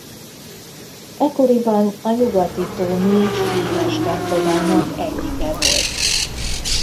Ekkoriban a Nyugati-tó négy híres templomának egyike volt.